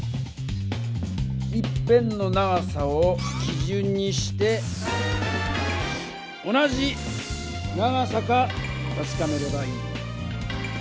一辺の長さをきじゅんにして同じ長さかたしかめればいい。